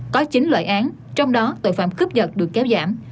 có chín loại án trong đó tội phạm cướp vật được kéo giảm